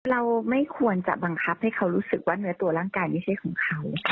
เราไม่ควรจะบังคับให้เขารู้สึกว่าเนื้อตัวร่างกายไม่ใช่ของเขา